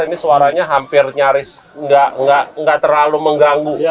ini suaranya hampir nyaris nggak terlalu mengganggu ya